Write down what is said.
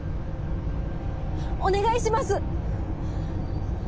お願いします！